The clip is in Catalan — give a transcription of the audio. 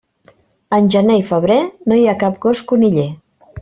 En gener i febrer, no hi ha cap gos coniller.